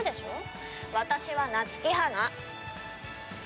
私は夏木花。